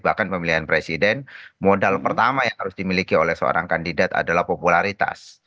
bahkan pemilihan presiden modal pertama yang harus dimiliki oleh seorang kandidat adalah popularitas